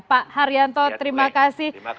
pak arianto terima kasih